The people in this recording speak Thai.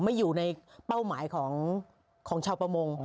ไม่อยู่ในเป้าหมายของชาวประมง